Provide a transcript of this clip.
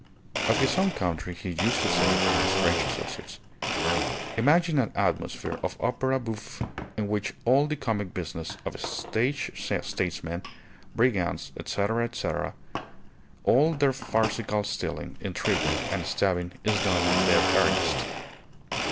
Of his own country he used to say to his French associates: "Imagine an atmosphere of opera bouffe in which all the comic business of stage statesmen, brigands, etc., etc., all their farcical stealing, intriguing, and stabbing is done in dead earnest.